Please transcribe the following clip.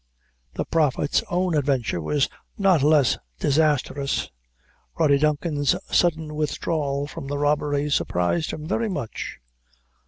The Prophet's own adventure was not less disastrous. Rody Duncan's sudden withdrawal from the robbery surprised him very much.